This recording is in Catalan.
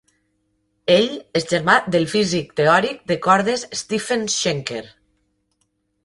Ell és germà del físic teòric de cordes Stephen Shenker.